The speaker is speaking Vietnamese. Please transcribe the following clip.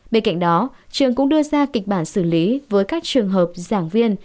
bên cạnh đó trường cũng đưa ra kịch bản xử lý với các trường hợp giảng viên